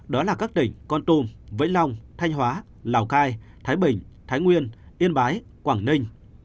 đó là các tỉnh con tum vĩnh long thanh hóa lào cai thái bình thái nguyên yên bái quảng ninh